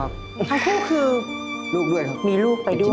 ลูกด้วยครับอีกทีนี้ลูกด้วยครับมีลูกไปด้วย